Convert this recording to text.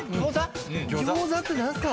餃子って何すか？